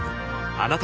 あなたも